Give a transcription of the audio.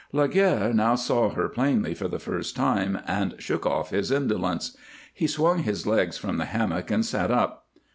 Laguerre now saw her plainly for the first time, and shook off his indolence. He swung his legs from the hammock and sat up.